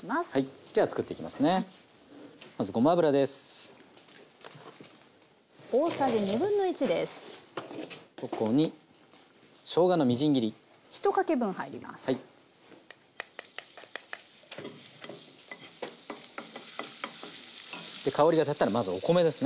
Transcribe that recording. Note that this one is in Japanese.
で香りがたったらまずお米ですね。